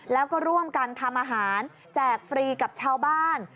แล้วก็ร่วมกันทำอาหารแจกฟรีกับชาวบ้าน